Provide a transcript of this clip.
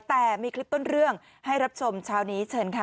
แต่มีคลิปต้นเรื่องให้รับชมเช้านี้เชิญค่ะ